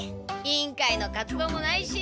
委員会の活動もないし。